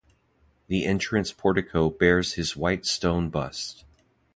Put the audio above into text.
The entrance portico bears his white stone bust.